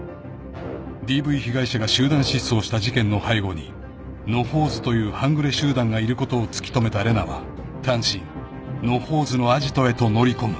［ＤＶ被害者が集団失踪した事件の背後に野放図という半グレ集団がいることを突き止めた玲奈は単身野放図のアジトへと乗り込む］